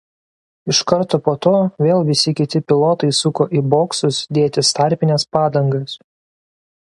Iš karto po to vėl visi kiti pilotai suko į boksus dėtis tarpines padangas.